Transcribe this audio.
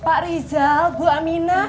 pak rizal gua aminah